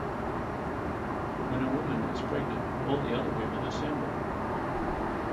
When a woman is pregnant, all the other women assemble.